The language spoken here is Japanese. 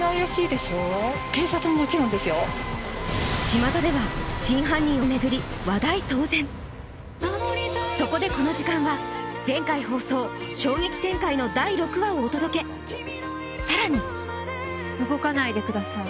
ちまたでは真犯人を巡り話題騒然そこでこの時間は前回放送衝撃展開の第６話をお届けさらに動かないでください